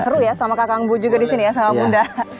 seru ya sama kakak kakak bu juga disini ya sama bunda